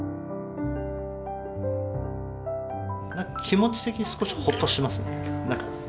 気持ち的に少しホッとしますね。